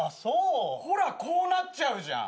ほらこうなっちゃうじゃん。